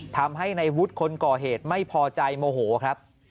ทำให้ในวุฒิคนก่อเหตุไม่พอใจโมโหครับ